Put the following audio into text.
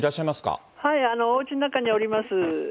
おうちの中におります。